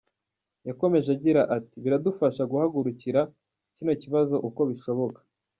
Yakomeje agira ati “Biradufasha guhagurukira kino kibazo uko bishoboka.